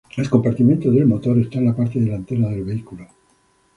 El compartimiento del motor está en la parte delantera del vehículo.